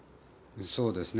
そうですね。